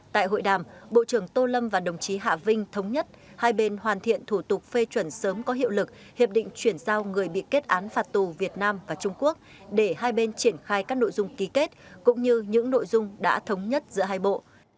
tại hội đàm bộ trưởng tô lâm và đồng chí hạ vinh thống nhất hai bên hoàn thiện thủ tục phê chuẩn sớm có hiệu lực hiệp định chuyển giao người bị kết án phạt tù việt nam và trung quốc để hai bên triển khai các nội dung ký kết cũng như những nội dung đã thống nhất giữa hai bộ